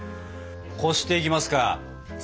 こしていきますか。